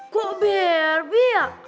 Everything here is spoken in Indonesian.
gua barbie ya